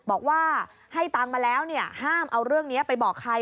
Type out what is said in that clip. บอกว่าให้ตังค์มาแล้วห้ามเอาเรื่องนี้ไปบอกใคร